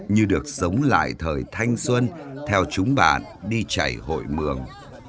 như được sống lại thời thanh xuân theo chúng bạn đi chảy hội mường